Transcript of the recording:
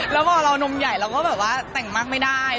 แล้วพอเรานมใหญ่เราก็แบบว่าแต่งมากไม่ได้